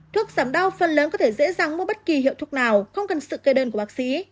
thuốc giảm đau phần lớn có thể dễ dàng mua bất kỳ hiệu thuốc nào không cần sự kê đơn của bác sĩ